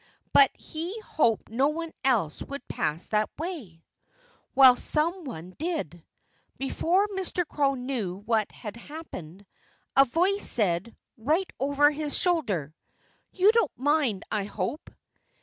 But he hoped no one else would pass that way. Well, some one did. Before Mr. Crow knew what had happened, a voice said right over his shoulder: "You don't mind, I hope?"